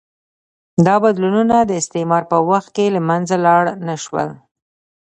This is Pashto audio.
دا بدلونونه د استعمار په وخت کې له منځه لاړ نه شول.